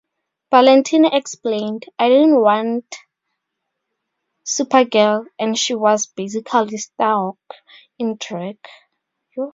Valentino explained, I didn't want Supergirl - and she was, basically, Starhawk in drag.